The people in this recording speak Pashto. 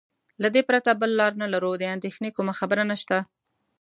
له دې پرته بله لار نه لرو، د اندېښنې کومه خبره نشته.